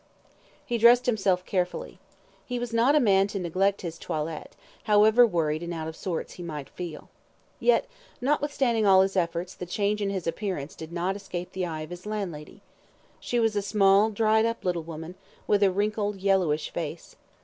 He dressed himself carefully. He was not a man to neglect his toilet, however worried and out of sorts he might happen to feel. Yet, notwithstanding all his efforts the change in his appearance did not escape the eye of his landlady. She was a small, dried up little woman, with a wrinkled yellowish face.